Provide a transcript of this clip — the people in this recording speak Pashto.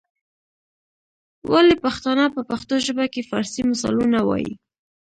ولي پښتانه په پښتو ژبه کي فارسي مثالونه وايي؟